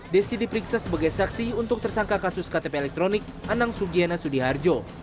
desi diperiksa sebagai saksi untuk tersangka kasus ktp elektronik anang sugiana sudiharjo